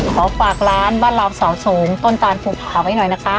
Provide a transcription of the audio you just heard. ขอฝากร้านบ้านเราสสงต้นจาลฝูกผัวไปหน่อยนะคะ